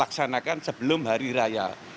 laksanakan sebelum hari raya